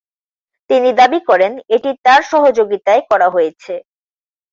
তিনি দাবি করেন এটি তার সহযোগিতায় করা হয়েছে।